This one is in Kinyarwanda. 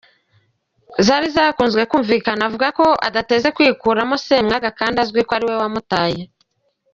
Zari yakunze kumvikana avuga ko adateze kwikuramo Ssemwanga kandi bizwi ko ari we wamutaye.